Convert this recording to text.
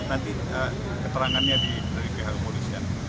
nanti keterangannya dari pihak kepolisian